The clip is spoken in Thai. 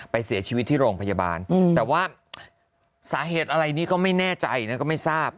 เสียชีวิตที่โรงพยาบาลแต่ว่าสาเหตุอะไรนี้ก็ไม่แน่ใจนะก็ไม่ทราบ